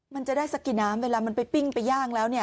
มันจะได้สักกี่น้ำเวลามันไปปิ้งไปย่างแล้ว